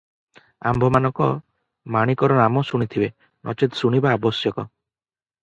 ଆମ୍ଭମାନଙ୍କ ମାଣିକର ନାମ ଶୁଣିଥିବେ, ନଚେତ୍ ଶୁଣିବା ଆବଶ୍ୟକ ।